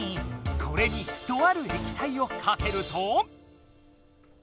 これにとある液体をかけると？